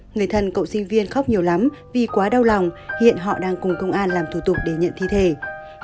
người thân cậu sinh viên khóc nhiều lắm vì quá đau lòng hiện họ đang cùng công an làm thủ tục để nhận thi thể